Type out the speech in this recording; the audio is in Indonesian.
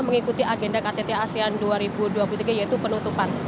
mengikuti agenda ktt asean dua ribu dua puluh tiga yaitu penutupan